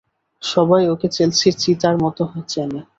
সবাই ওকে চেলসির চিতার মতো চেনে।